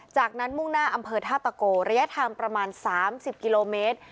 จากนั้นมุ่งหน้าอำเภอท่าตะโกระยะทางประมาณ๓๐กิโลเมตร